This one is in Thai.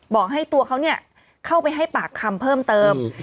บอกให้ตัวเขาเข้าไปให้ปากคำเพิ่มเติม